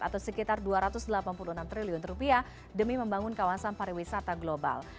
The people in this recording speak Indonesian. atau sekitar dua ratus delapan puluh enam triliun rupiah demi membangun kawasan pariwisata global